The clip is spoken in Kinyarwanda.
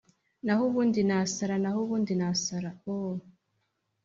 naho ubundi nasara, naho ubundi nasara, oooh